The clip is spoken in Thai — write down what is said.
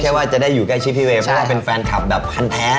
ว่าจะได้อยู่ใกล้ชิดพี่เวย์เพราะว่าเป็นแฟนคลับแบบพันแท้